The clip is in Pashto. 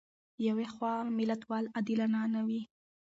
یوه خوا ملامتول عادلانه نه دي.